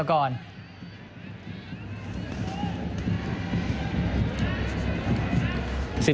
แล้วก็วงศกร